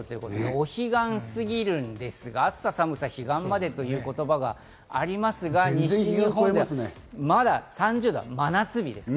お彼岸過ぎるんですが、「暑さ寒さ彼岸まで」という言葉がありますが、まだ３０度、真夏日です。